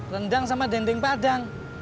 rendang sama dendeng padang